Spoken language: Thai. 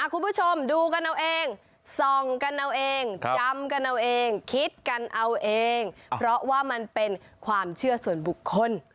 คุณผู้ชมดูกันเอาเองส่องกันเอาเองจำกันเอาเองคิดกันเอาเองเพราะว่ามันเป็นความเชื่อส่วนบุคคล